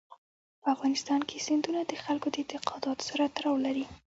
په افغانستان کې سیندونه د خلکو د اعتقاداتو سره تړاو لري.